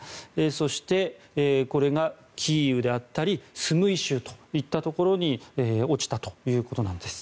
そして、これがキーウであったりスムイ州というところに落ちたということなんです。